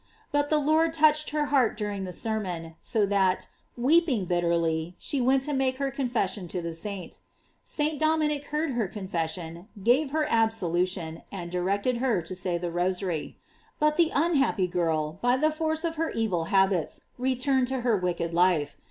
But the Lord touched her heart during the sermon, so that, weeping bit terly, she went to make her confession .to the saint. St. Dominic heard her confession, gave her absolution, and directed her to say the rosary. But the unhappy girl, by the force of her evil habits, returned to her wicked life.